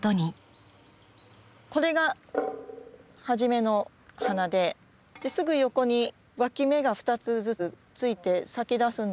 これが初めの花ですぐ横に脇芽が２つずつついて咲きだすんですね。